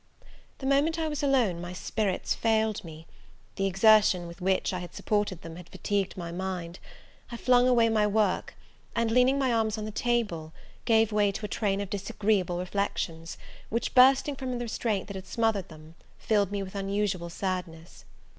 The moment I was alone my spirits failed me; the exertion with which I had supported them had fatigued my mind; I flung away my work, and, leaning my arms on the table, gave way to a train of disagreeable reflections, which, bursting from the restraint that had smothered them, filled me with unusual sadness.